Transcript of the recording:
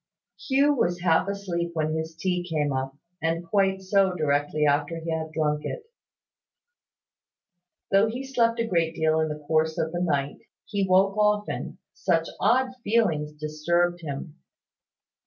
Hugh was half asleep when his tea came up, and quite so directly after he had drunk it. Though he slept a great deal in the course of the night, he woke often, such odd feelings disturbed him!